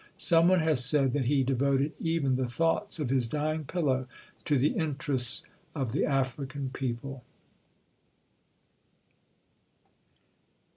Some one has said that he devoted even the thoughts of his dying pillow to the interests of the African people.